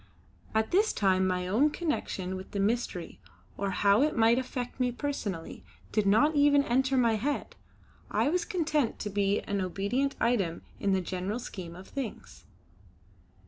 At this time my own connection with the mystery, or how it might affect me personally, did not even enter my head. I was content to be an obedient item in the general scheme of things.